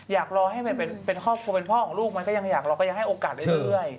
อยากรอให้เป็นพ่อของลูกมันก็ยังอยากรอยังให้โอกาสเรื่อย